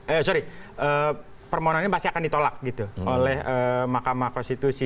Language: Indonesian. eh sorry permohonannya pasti akan ditolak gitu oleh mahkamah konstitusi